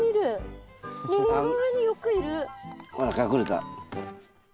ほら隠れた。